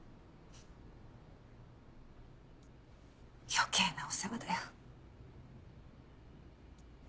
余計なお世話だよ。